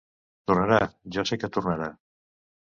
Tornarà, jo sé que tornarà.